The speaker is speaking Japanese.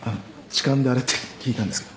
痴漢であれって聞いたんですけど。